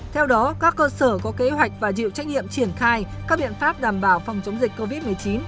theo đó các cơ sở có kế hoạch và chịu trách nhiệm triển khai các biện pháp đảm bảo phòng chống dịch covid một mươi chín